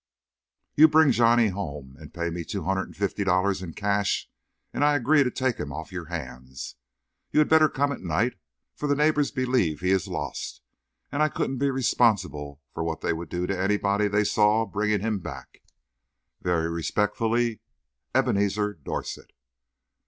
You bring Johnny home and pay me two hundred and fifty dollars in cash, and I agree to take him off your hands. You had better come at night, for the neighbours believe he is lost, and I couldn't be responsible for what they would do to anybody they saw bringing him back. Very respectfully, EBENEZER DORSET.